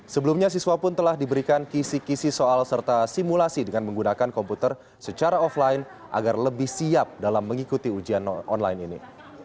sebelumnya siswa pun telah diberikan kisi kisi soal serta simulasi dengan menggunakan komputer secara offline agar lebih siap dalam mengikuti ujian online ini